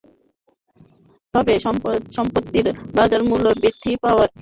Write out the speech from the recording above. তবে সম্পত্তির বাজারমূল্য বৃদ্ধি পাওয়ায় করিম বর্তমানে অধিক ক্ষতিপূরণ পাওয়ার প্রত্যাশা করছে।